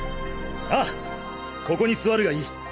ああここに座るがいい。